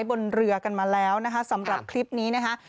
บนเรือกันมาแล้วนะคะสำหรับคลิปนี้นะคะ